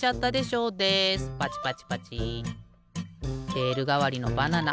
レールがわりのバナナ